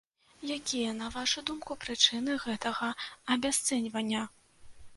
Якія, на вашу думку, прычыны гэтага абясцэньвання?